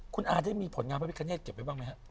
คุณอาได้มีผลงานพระพิคเนตเก็บไว้บ้างไหมฮะ